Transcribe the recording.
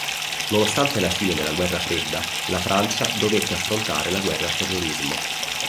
Nonostante la fine della guerra fredda, la Francia dovette affrontare la guerra al terrorismo.